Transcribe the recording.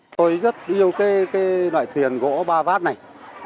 tôi rất yêu cái loại thuyền gỗ ba vác này